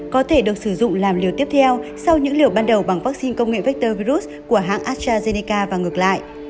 có thể được sử dụng làm liều tiếp theo sau những liều ban đầu bằng vaccine công nghệ vector virus của hãng astrazeneca và ngược lại